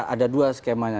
ada dua skemanya